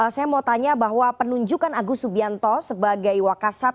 saya mau tanya bahwa penunjukan agus subianto sebagai wakasat